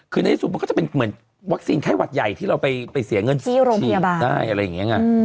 คืนนายสุดมันก็จะเป็นเหมือนวัคซีนค่ายหวัดใหญ่ที่เราไปเสียเงินฉีดได้อะไรอย่างเนี่ย